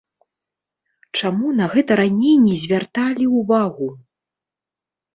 Чаму на гэта раней не звярталі ўвагу?